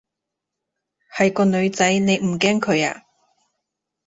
係個女仔，你唔驚佢啊？